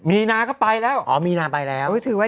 มีนาก็ไปแล้วอ๋อมีนาไปแล้ว